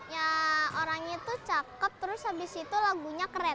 ya orangnya tuh cakep terus habis itu lagunya keren